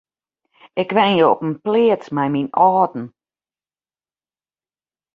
Ik wenje op in pleats mei myn âlden.